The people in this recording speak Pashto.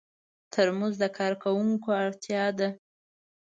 ترموز د کارکوونکو اړتیا ده.